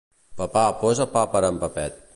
Papà, posa pa per a en Pepet.